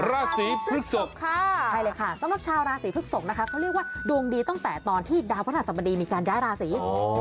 ราศีพฤกษกค่ะใช่เลยค่ะสำหรับชาวราศีพฤกษกนะคะเขาเรียกว่าดวงดีตั้งแต่ตอนที่ดาวพระธรรมดีมีการย้ายราศี